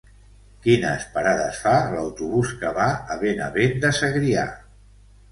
Quines parades fa l'autobús que va a Benavent de Segrià?